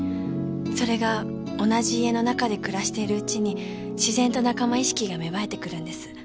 それが同じ家の中で暮らしてるうちに自然と仲間意識が芽生えてくるんです。